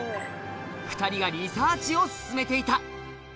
２人がリサーチを進めていた。